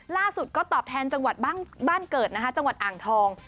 ล่าสุดก็ตอบแทนจังหวัดบ้านเกิดนะคะจังหวัดอ่างทอง